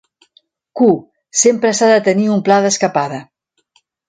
"Q": Sempre s'ha de tenir un pla d'escapada.